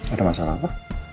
ada masalah apa